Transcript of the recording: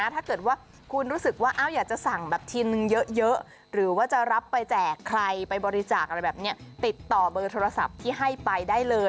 ถ้าเกิดว่าคุณรู้สึกว่าอยากจะสั่งแบบทีนึงเยอะหรือว่าจะรับไปแจกใครไปบริจาคอะไรแบบนี้ติดต่อเบอร์โทรศัพท์ที่ให้ไปได้เลย